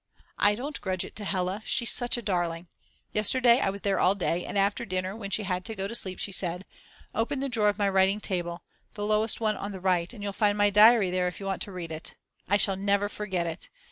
I don't grudge it to Hella. She's such a darling. Yesterday I was there all day, and after dinner, when she had to go to sleep, she said: Open the drawer of my writing table, the lowest one on the right, and you'll find my diary there if you want to read it. I shall never forget it!